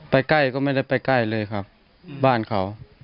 ใกล้ก็ไม่ได้ไปใกล้เลยครับบ้านเขา